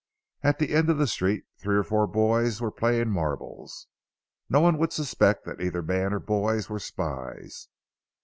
At the end of the street three or four boys were playing marbles. No one would suspect that either man or boys were spies.